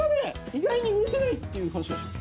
意外に売れてないっていう話なっしー。